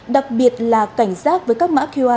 đặc biệt là cảnh giác với các mã qr